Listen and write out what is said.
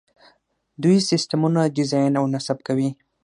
دوی سیسټمونه ډیزاین او نصب کوي.